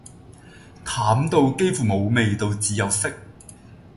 淡到幾乎無味道只有色